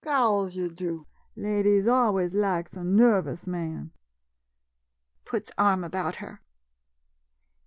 White 'Cose yo' do — ladies always laks a nervous man ! [Puts arm about her.